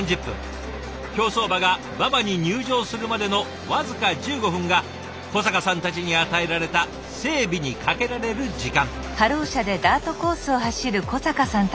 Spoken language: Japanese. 競走馬が馬場に入場するまでの僅か１５分が小坂さんたちに与えられた整備にかけられる時間。